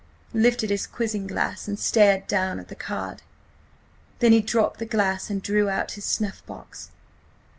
.. lifted his quizzing glass. .. and stared down at the card. Then he dropped the glass and drew out his snuff box.